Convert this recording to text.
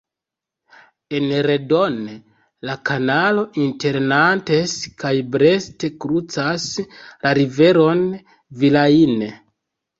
En Redon, la kanalo inter Nantes kaj Brest krucas la riveron Vilaine.